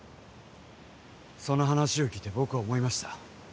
その話を聞いて僕は思いました